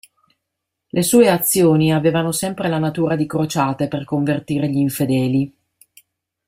Le sue azioni avevano sempre la natura di crociate per convertire gli infedeli.